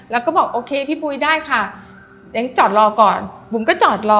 แล้วก็บอกโอเคพี่ปุ๋ยได้ค่ะยังจอดรอก่อนบุ๋มก็จอดรอ